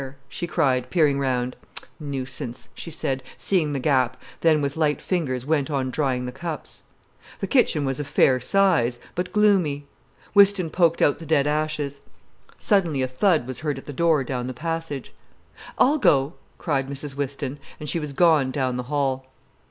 she cried, peering round. "Nuisance," she said, seeing the gap, then with light fingers went on drying the cups. The kitchen was of fair size, but gloomy. Whiston poked out the dead ashes. Suddenly a thud was heard at the door down the passage. "I'll go," cried Mrs Whiston, and she was gone down the hall.